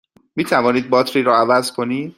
می توانید باتری را عوض کنید؟